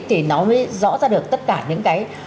thì nó mới rõ ra được tất cả những cái